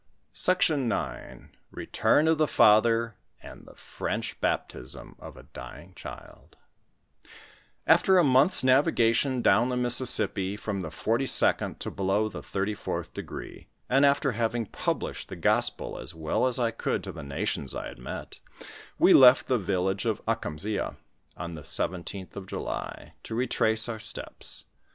SECTION IX. BiTinur or thb fathkr, asd tub fiibnch baptism or a dyisq oHu.n, Afteb a month's navigation down the Missisipi, from the 42d to below the 34th degree, and after having published the gospel as well as I could to the nations I had met, we left the village of Akamsea on the 17th of July, to retrace our steps.